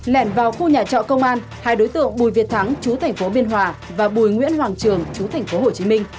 lẹn vào khu nhà trọ công an hai đối tượng bùi việt thắng chú thành phố biên hòa và bùi nguyễn hoàng trường chú thành phố hồ chí minh